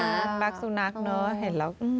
รักสุนัขเนอะเห็นแล้ว